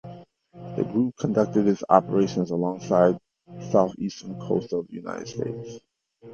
The group conducted its operations along the southeastern coast of the United States.